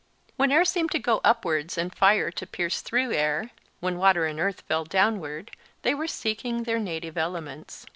When air seemed to go upwards and fire to pierce through air—when water and earth fell downward, they were seeking their native elements.